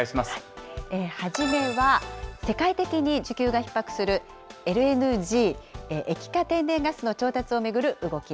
初めは、世界的に需給がひっ迫するＬＮＧ・液化天然ガスの調達を巡る動き